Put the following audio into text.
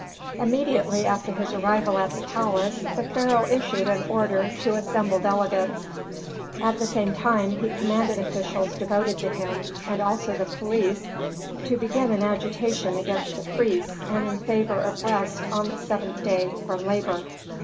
Immediately after his arrival at the palace the pharaoh issued an order to assemble delegates. At the same time he commanded officials devoted to him, and also the police, to begin an agitation against the priests and in favor of rest on the seventh day from labor.